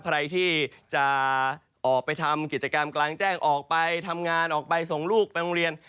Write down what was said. ใครที่จะออกไปทำกิจกรรมกลางแจ้งออกไปทำงานออกไปส่งลูกไปโรงเรียน